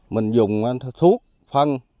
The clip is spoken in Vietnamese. mình dùng thuốc phân